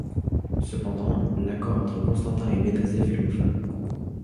Cependant, l’accord entre Constantin et Bénazet fait long feu.